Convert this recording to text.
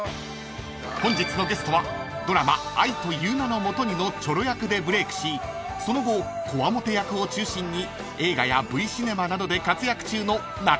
［本日のゲストはドラマ『愛という名のもとに』のチョロ役でブレークしその後こわもて役を中心に映画やＶシネマなどで活躍中の中野英雄さん］